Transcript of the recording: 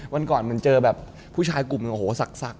วันก่อนมันเจอแบบพูดชายกลุ่มหนังสัก